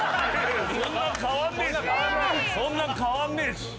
そんな変わんねえし。